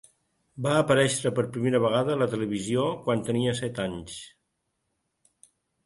Va aparèixer per primera vegada a la televisió quan tenia set anys.